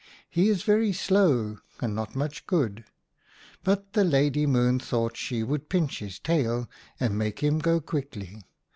He is very slow and not much good, but the Lady Moon thought she would pinch his tail and make him go quickly.